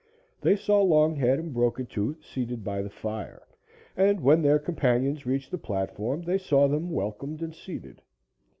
They saw Longhead and Broken Tooth seated by the fire, and, when their companions reached the platform, they saw them welcomed and seated.